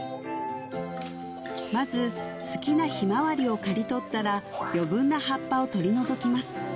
まず好きなヒマワリを刈り取ったら余分な葉っぱを取り除きます